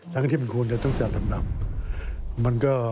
ทั้งที่มันควรจะต้องจัดลำดับมันก็